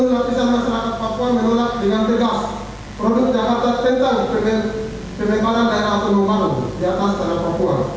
kami seluruh lapisan masyarakat papua menolak dengan tegas produk jakarta tentang pembentukan daerah otonomi baru di atas daerah papua